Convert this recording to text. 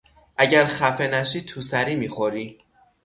اگر خفه نشی تو سری میخوری!